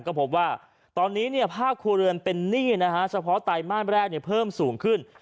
ก็พบว่าตอนนี้ภาคครัวเรือนเป็นหนี้นะฮะเฉพาะไตรมาสแรกเพิ่มสูงขึ้น